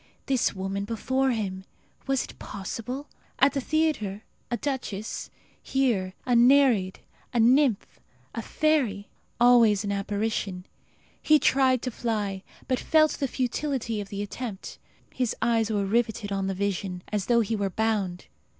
This woman before him! Was it possible? At the theatre a duchess; here a nereid, a nymph, a fairy. Always an apparition. He tried to fly, but felt the futility of the attempt. His eyes were riveted on the vision, as though he were bound.